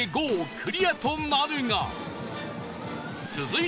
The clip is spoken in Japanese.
クリアとなるが